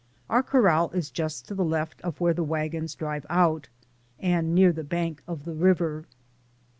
Our corral is just to the left of where the wagons drive out, and near the bank of the river.